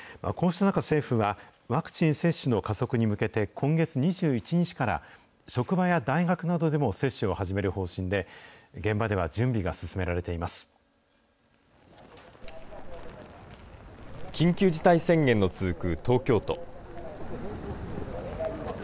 こうした中、政府はワクチン接種の加速に向けて今月２１日から、職場や大学などでも接種を始める方針で、現場では準備が進められ緊急事態宣言の続く東京都。